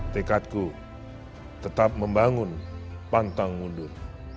tekadku tetap membangun pantang mundur